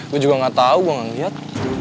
gue juga gak tau gue gak liat